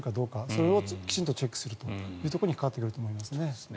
それをきちんとチェックするところにかかっていると思います。